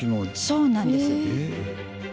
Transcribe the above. そうなんです。